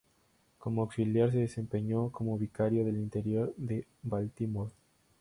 Como un auxiliar, se desempeñó como vicario del interior de Baltimore.